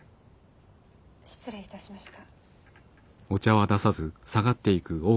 失礼いたしました。